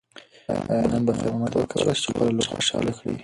ایا نن به خیر محمد وکولی شي چې خپله لور خوشحاله کړي؟